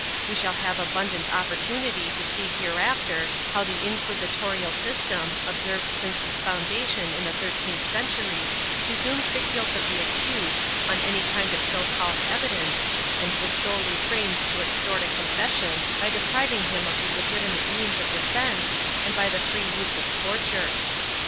We shall have abundant opportunity to see hereafter how the inquisitorial system, observed since its foundation in the thir teenth century, presumed the guilt of the accused on any kind of so called evidence and was solely framed to extort a confession by depriving him of the legitimate means of defence and by the free use of torture.